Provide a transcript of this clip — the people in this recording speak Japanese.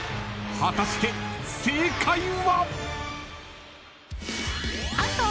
［果たして正解は？］